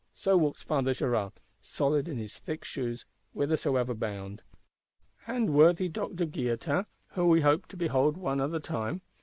so walks Father Gérard; solid in his thick shoes, whithersoever bound. And worthy Doctor Guillotin, whom we hoped to behold one other time?